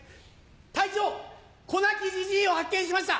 隊長子泣きじじいを発見しました！